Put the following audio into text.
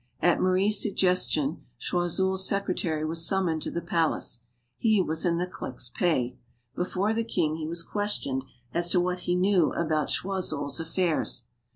At Marie's suggestion, Choiseul's sec retary was summoned to the palace. He was in the clique's pay. Before the king, he was questioned as to what he knew about Choiseul's affairs.